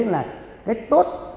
là cái tốt